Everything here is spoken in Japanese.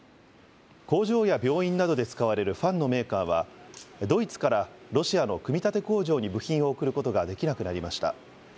工場や病院などで使われるファンのメーカーはドイツからロシアの組み立て工場に部品を送ることができなくなりました。